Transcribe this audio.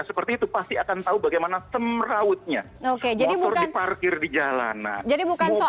seperti itu pasti akan tahu bagaimana semrautnya oke jadi bukan parkir di jalanan jadi bukan soal